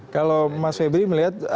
kalau mas febri melihat